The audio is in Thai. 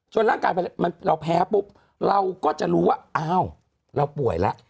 จนร่างกายเราแพ้จนร่างกายเราแพ้ปุ๊บเราก็จะรู้ว่าอ้าวเราป่วยละ